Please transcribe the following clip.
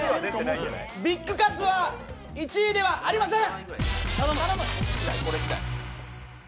ビッグカツは１位ではありません！